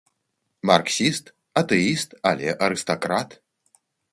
Марксіст, атэіст, але арыстакрат!